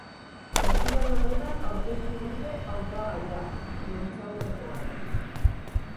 Ostiral honetan aurkeztu dute hautagaia, prentsaurrekoan.